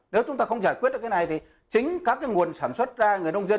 nếu chúng ta không giải quyết được cái này thì chính các cái nguồn sản xuất ra người nông dân